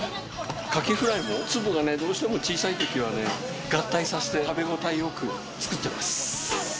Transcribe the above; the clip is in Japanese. カキフライも粒がどうしても小さい時は合体させて、食べごたえよく作ってます。